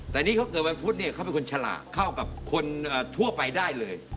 แต่นี่เขาเกิดวันพุธเนี่ยเขาเป็นคนฉลาดเข้ากับคนทั่วไปได้เลย